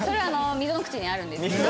溝の口にあるんですけど。